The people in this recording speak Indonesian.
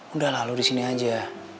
udah lah lo di sini aja